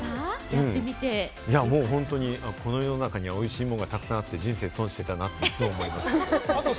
もう本当にこの世の中にはおいしいものがたくさんあって、人生損してたなって思います。